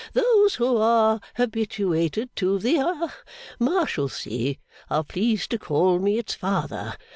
Those who are habituated to the ha Marshalsea, are pleased to call me its father.